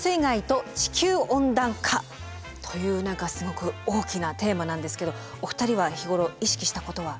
という何かすごく大きなテーマなんですけどお二人は日頃意識したことは？